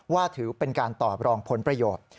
ถือเป็นการตอบรองผลประโยชน์